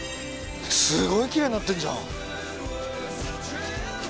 すごいきれいになってんじゃん。